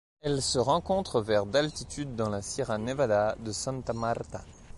Elle se rencontre vers d'altitude dans la Sierra Nevada de Santa Marta.